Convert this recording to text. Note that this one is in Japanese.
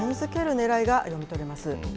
ねらいが読み取れます。